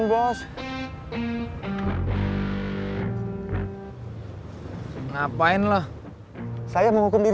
sebenernya gue lagi malas kasih hukuman